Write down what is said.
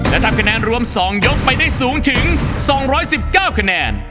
และถ้าคะแนนรวมสองยกไปได้สูงถึงสองร้อยสิบเก้าคะแนน